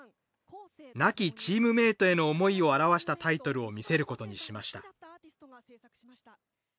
亡きチームメートへの思いを表したタイトルを見せることにしました。